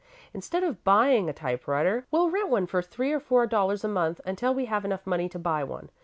Instead of buying a typewriter, we'll rent one for three or four dollars a month until we have enough money to buy one.